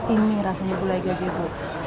ini rasanya gulai gajebo